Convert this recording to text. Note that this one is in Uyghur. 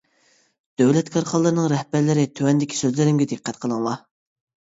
دۆلەت كارخانىلىرىنىڭ رەھبەرلىرى، تۆۋەندىكى سۆزلىرىمگە دىققەت قىلىڭلار.